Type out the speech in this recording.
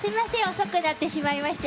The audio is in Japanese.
遅くなってしまいまして。